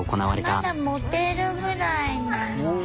まだ持てるぐらいなの。